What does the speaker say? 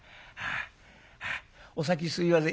お先すいません。